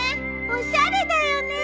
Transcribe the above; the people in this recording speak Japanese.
おしゃれだよね。